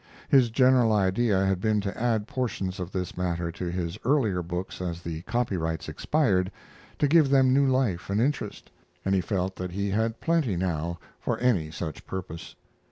His general idea had been to add portions of this matter to his earlier books as the copyrights expired, to give them new life and interest, and he felt that he had plenty now for any such purpose.